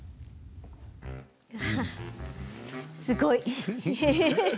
すごい。